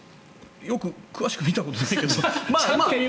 詳しく見たことないけど。